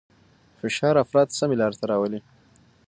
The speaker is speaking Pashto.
فشار افراد سمې لارې ته راولي.